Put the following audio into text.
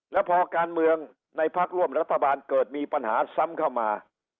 แล้วพอการเมืองในพักร่วมรัฐบาลเกิดมีปัญหาซ้ำเข้ามา